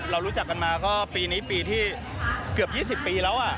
รู้จักกันมาก็ปีนี้ปีที่เกือบ๒๐ปีแล้ว